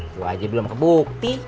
lu aja belum kebukti